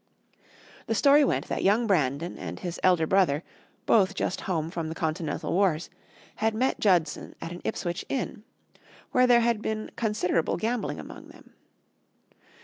The story went that young Brandon and his elder brother, both just home from the continental wars, had met Judson at an Ipswich inn, where there had been considerable gambling among them.